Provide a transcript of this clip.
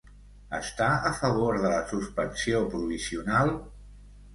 Està a favor de la suspensió provisional?